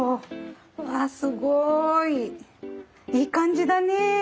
わあすごい！いい感じだねえ。